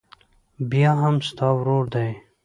بيا هم ستا ورور دى.